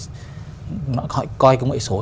họ phải coi công nghệ số